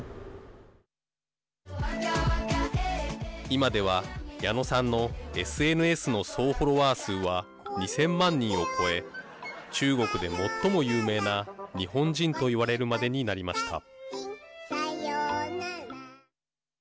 今では矢野さんのＳＮＳの総フォロワー数は２０００万人を超え中国で最も有名な日本人と言われるまでになりました。